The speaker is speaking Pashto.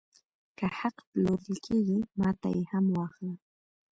چې حق پلورل کېږي ماته یې هم واخله